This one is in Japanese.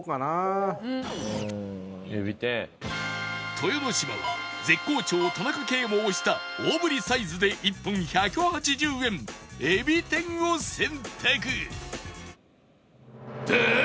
豊ノ島は絶好調田中圭も推した大ぶりサイズで１本１８０円えび天を選択